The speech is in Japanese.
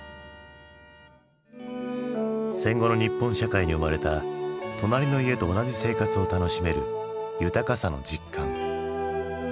戦後の日本社会に生まれた隣の家と同じ生活を楽しめる豊かさの実感。